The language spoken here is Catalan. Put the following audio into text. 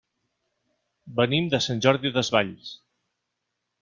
Venim de Sant Jordi Desvalls.